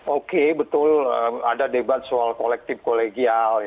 oke betul ada debat soal kolektif kolegial